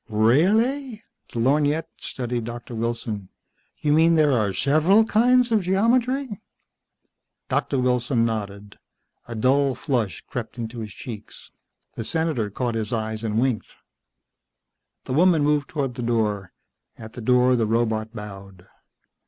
"REAHLLY!" The lorgnette studied Doctor Wilson. "You mean there are several kinds of geometry?" Doctor Wilson nodded. A dull flush crept into his cheeks. The Senator caught his eyes and winked. The woman moved toward the door. At the door the robot bowed.